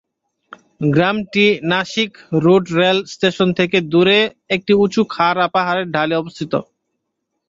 গ্রামটি Nashik road rail station থেকে দূরে একটি উঁচু খাড়া পাহাড়ের ঢালে অবস্থিত।